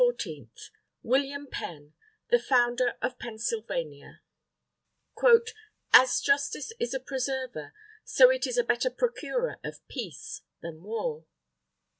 OCTOBER 14 WILLIAM PENN THE FOUNDER OF PENNSYLVANIA _As Justice is a preserver, so it is a better procurer of Peace, than War.